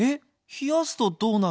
冷やすとどうなるの？